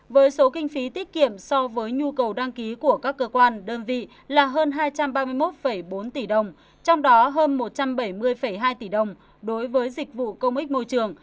với số kinh phí tiết kiệm so với nhu cầu đăng ký của các cơ quan đơn vị là hơn hai trăm ba mươi một bốn tỷ đồng trong đó hơn một trăm bảy mươi hai tỷ đồng đối với dịch vụ công ích môi trường